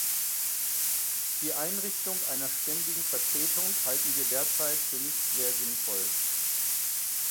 Die Einrichtung einer ständigen Vertretung halten wir derzeit für nicht sehr sinnvoll.